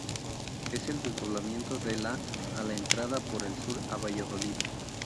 Es el desdoblamiento de la a la entrada por el sur a Valladolid.